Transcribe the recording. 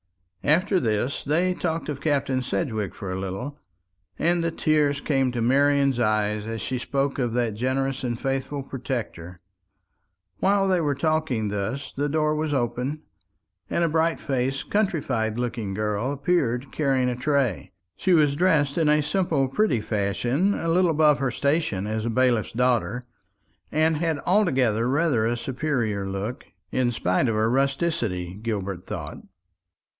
After this they talked of Captain Sedgewick for a little, and the tears came to Marian's eyes as she spoke of that generous and faithful protector. While they were talking thus, the door was opened, and a bright faced countrified looking girl appeared carrying a tray. She was dressed in a simple pretty fashion, a little above her station as a bailiff's daughter, and had altogether rather a superior look, in spite of her rusticity, Gilbert thought.